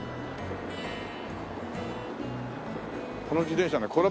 この自転車ね